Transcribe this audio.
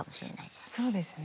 そうですね。